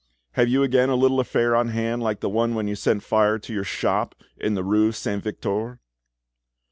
Have you again a little affair on hand like the one when you set fire to your shop in the rue Saint Victor?"